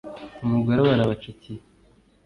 umugore aba arabacakiye